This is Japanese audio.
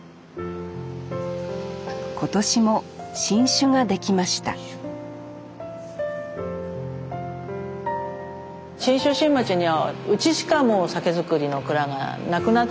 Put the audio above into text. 今年も新酒が出来ました信州新町にはうちしかもう酒造りの蔵がなくなってたんですね。